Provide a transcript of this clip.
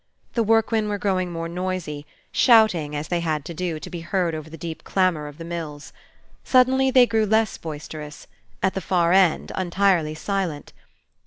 The workmen were growing more noisy, shouting, as they had to do, to be heard over the deep clamor of the mills. Suddenly they grew less boisterous, at the far end, entirely silent.